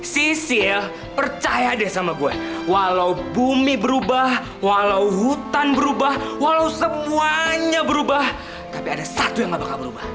sisi ya percaya deh sama gue walau bumi berubah walau hutan berubah walau semuanya berubah tapi ada satu yang gak bakal berubah